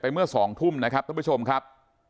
เมื่อ๒ทุ่มนะครับท่านผู้ชมครับ